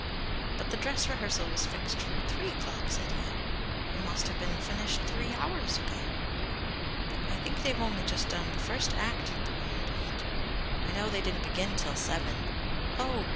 "But the dress rehearsal was fixed for three o'clock," said he. "It must have been finished three hours ago." "I think they've only just done the first act," the woman breathed. "I know they didn't begin till seven. Oh!